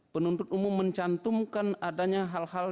penuntut umum mencantumkan adanya hal hal